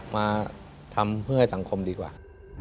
มาทำเพื่อให้สังคมดีกว่า